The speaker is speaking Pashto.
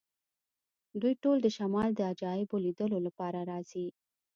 دوی ټول د شمال د عجایبو لیدلو لپاره راځي